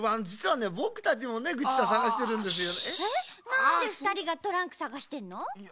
なんでふたりがトランクさがしてんの？